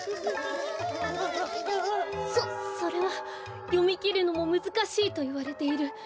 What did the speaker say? そそれはよみきるのもむずかしいといわれている